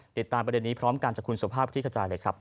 ติดตามประเด็นนี้พร้อมกันจากคุณสุภาพคลิกขจายเลยครับ